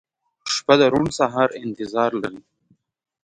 • شپه د روڼ سهار انتظار لري.